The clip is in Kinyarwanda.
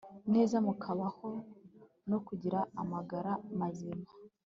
neza mu kubaho no kugira amagara mazima